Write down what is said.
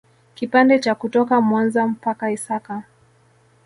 Kipande cha kutoka Mwanza mpaka Isaka